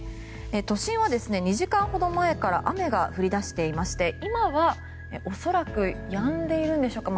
都心は２時間ほど前から雨が降り出していまして今は恐らくやんでいるんでしょうか。